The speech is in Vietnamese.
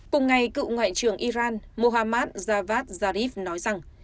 cùng ngày cựu ngoại trưởng iran mohammad javad zarif nói rằng